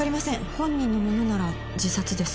本人のものなら自殺です。